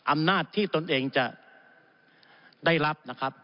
อำนาจที่ตนเองจะหลับ